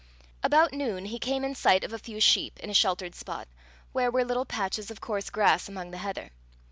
About noon he came in sight of a few sheep, in a sheltered spot, where were little patches of coarse grass among the heather.